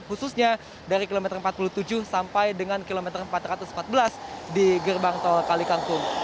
khususnya dari kilometer empat puluh tujuh sampai dengan kilometer empat ratus empat belas di gerbang tol kalikangkung